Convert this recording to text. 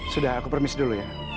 sudah aku permis dulu ya